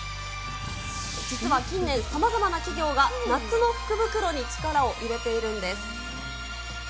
実は近年、さまざまな企業が、夏の福袋に力を入れているんです。